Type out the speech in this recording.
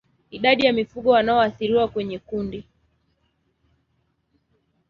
Idadi ya mifugo wanaoathiriwa kwenye kundi